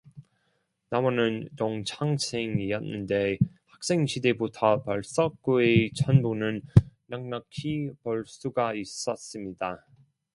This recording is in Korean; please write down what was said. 나와는 동창생이었는데 학생 시대부터 벌써 그의 천분은 넉넉히 볼 수가 있었습니다.